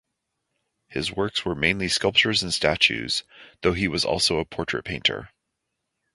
His works were mainly sculptures and statues, though he was also a portrait painter.